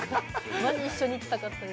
マジ一緒に行きたかったです。